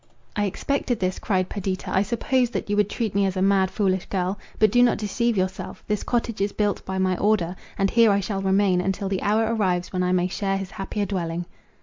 "I expected this," cried Perdita; "I supposed that you would treat me as a mad, foolish girl. But do not deceive yourself; this cottage is built by my order; and here I shall remain, until the hour arrives when I may share his happier dwelling."